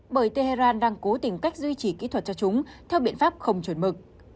bởi tehran đang cố tình cách duy trì kỹ thuật cho chúng theo biện pháp không chuẩn mực